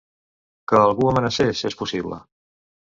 Que algú amenacés, és possible.